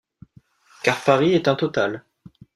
Car Paris est un total.